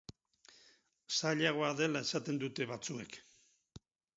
Zailagoa dela esaten dute batzuek.